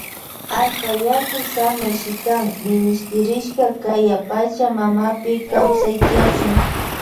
Allpa yaku samay shikan minishtirishka kaya pacha mamapi kawsay tiyachun.